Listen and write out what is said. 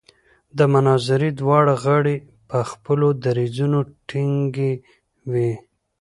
د مناظرې دواړه غاړې په خپلو دریځونو ټینګې وې.